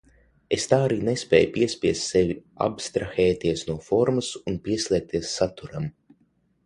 Es tā arī nespēju piespiest sevi abstrahēties no formas un pieslēgties saturam.